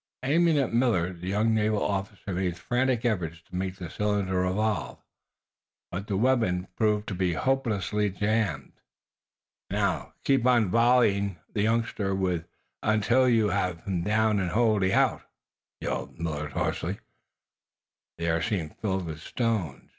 Aiming at Millard, the young naval officer made frantic efforts to make the cylinder revolve. But the weapon proved to be hopelessly jammed. "Now, keep on volleying the youngster with until you have him down and wholly out!" yelled Millard, hoarsely. The air seemed filled with stones.